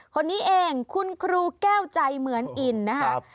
คนนี้เองคุณครูแก้วใจเหมือนอินนะครับ